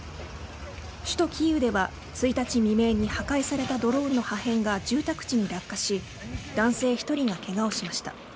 首都キーウでは１日未明に破壊されたドローンの破片が住宅地に落下し男性１人がけがをしました。